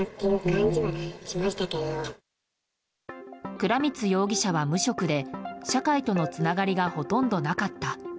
倉光容疑者は無職で、社会とのつながりがほとんどなかった。